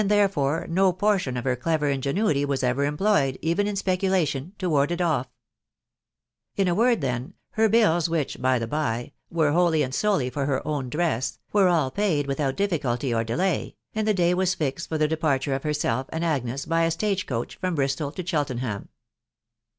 therefore no portion of her clever ingenuity was ever employed, even in speculation,, to ward it off In a word, then, her bills* which, by the by, were wholly and solely for her own dress, were all paid without difficulty or delay, and the day was fixed for the departure of herself and Agnes by a stage coach from Bristol to Cheltenham.